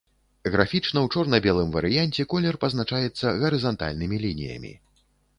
Графічна ў чорна-белым варыянце колер пазначаецца гарызантальнымі лініямі.